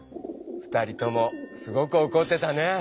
２人ともすごくおこってたね。